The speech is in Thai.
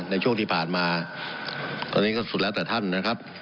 ในช่วงที่ผ่านมาตอนนี้ก็สุดแล้วแต่ท่านนะครับ